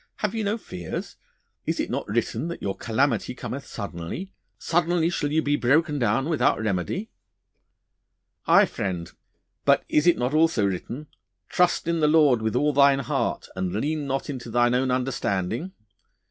Have you no fears? Is it not written that your calamity cometh suddenly suddenly shall you be broken down without remedy?' 'Aye, friend, but is it not also written, "Trust in the Lord with all thine heart, and lean not unto thine own understanding!"